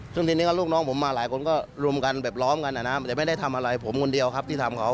ซึ่งทีนี้ก็ลูกน้องผมมาหลายคนก็รวมกันแบบล้อมกันนะแต่ไม่ได้ทำอะไรผมคนเดียวครับที่ทำเขา